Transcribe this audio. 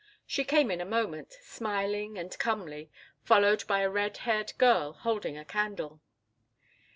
She came in a moment, smiling and comely, followed by a red haired girl holding a candle.